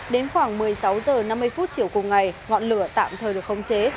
đến khoảng một mươi sáu h năm mươi chiều cùng ngày ngọn lửa tạm thời được khống chế